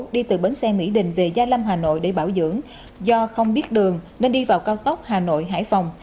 đi từ bến xe mỹ đình về gia lâm hà nội để bảo dưỡng do không biết đường nên đi vào cao tốc hà nội hải phòng